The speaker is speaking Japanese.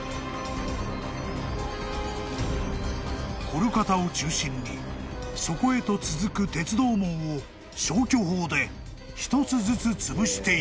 ［コルカタを中心にそこへと続く鉄道網を消去法で一つずつつぶしていく］